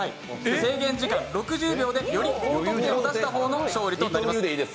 制限時間６０秒でより高得点を出した方が勝利となります。